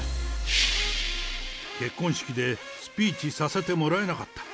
結婚式でスピーチさせてもらえなかった。